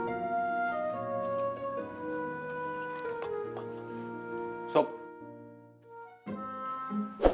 lo masih keinget sama bapak lo ya